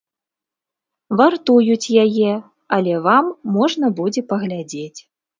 Вартуюць яе, але вам можна будзе паглядзець.